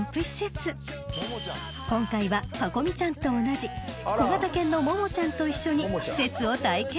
［今回はパコ美ちゃんと同じ小型犬のももちゃんと一緒に施設を体験］